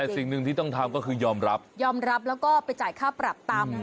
แต่สิ่งหนึ่งที่ต้องทำก็คือยอมรับยอมรับแล้วก็ไปจ่ายค่าปรับตาม